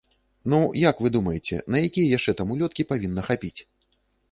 Ну, як вы думаеце, на якія яшчэ там улёткі павінна хапіць?